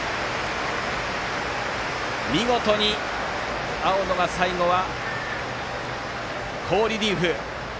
見事に青野が最後は好リリーフ。